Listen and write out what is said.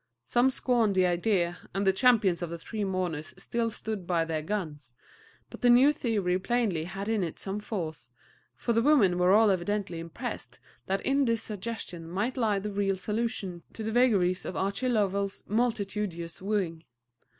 Some scorned the idea, and the champions of the three mourners still stood by their guns; but the new theory plainly had in it some force, for the women were all evidently impressed that in this suggestion might lie the real solution to the vagaries of Archie Lovell's multitudinous wooing.